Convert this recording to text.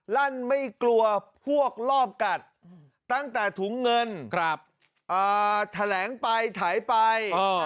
รั่นไม่กลัวฮวกลอบกัดตั้งแต่ถุงเงินครับอ่าแถลงไปถ่ายไปอ่า